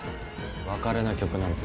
『別れの曲』なんて。